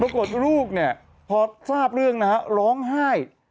ปรากฏลูกเนี่ยพอทราบเรื่องนะฮะร้องไห้